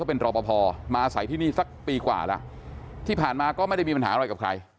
เป็นรอปภมาอาศัยที่นี่สักปีกว่าแล้วที่ผ่านมาก็ไม่ได้มีปัญหาอะไรกับใคร